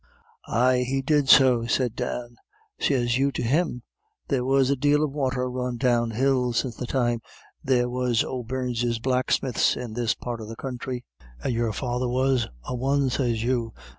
"Ay, he did so," said Dan. "Sez you to him, there was a dale of water run down hill since the time there was O'Beirnes blacksmiths in this part of the counthry; and your father was a one, sez you.